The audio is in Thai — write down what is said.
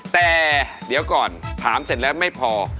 แต่เดี๋ยวก่อนถามเสร็จแล้วไม่พอ